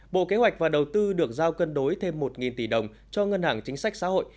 bộ kế hoạch và đầu tư được giao cân đối thêm một tỷ đồng cho ngân hàng chính sách xã hội